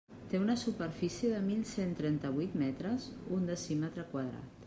Té una superfície de mil cent trenta-vuit metres, un decímetre quadrat.